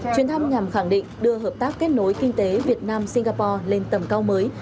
chuyến thăm nhằm khẳng định đưa hợp tác kết nối kinh tế việt nam singapore lên tầm cao mới